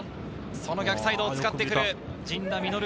逆サイドを使ってくる、陣田成琉。